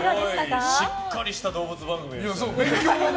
しっかりした動物番組ですね。